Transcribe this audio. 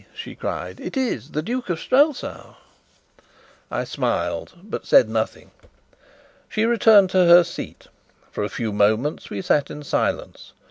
she cried. "It is the Duke of Strelsau!" I smiled, but said nothing. She returned to her seat. For a few moments we sat in silence.